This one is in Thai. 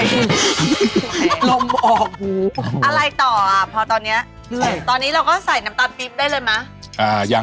มะเผะะพวงควบครู่นะค่ะ